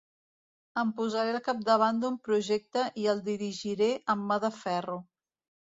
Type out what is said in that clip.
Em posaré al capdavant d'un projecte i el dirigiré amb mà de ferro.